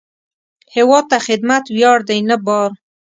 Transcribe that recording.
هیواد ته خدمت ویاړ دی، نه بار